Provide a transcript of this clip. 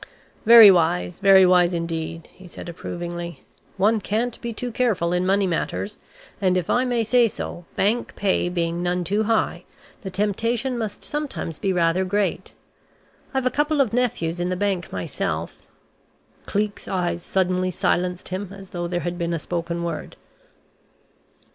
"Very wise, very wise indeed!" he said, approvingly. "One can't be too careful in money matters, and if I may say so, bank pay being none too high, the temptation must sometimes be rather great. I've a couple of nephews in the bank myself " Cleek's eyes suddenly silenced him as though there had been a spoken word.